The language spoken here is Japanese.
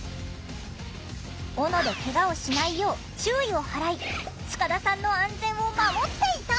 オノでケガをしないよう注意を払い塚田さんの安全を守っていた！